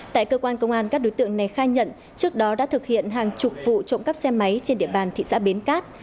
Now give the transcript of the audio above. tại cơ quan công an các đối tượng này khai nhận trước đó đã thực hiện hàng chục vụ trộm cắp xe máy trên địa bàn thị xã bến cát